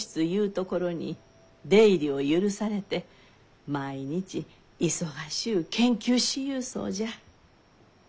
ところに出入りを許されて毎日忙しゅう研究しゆうそうじゃ。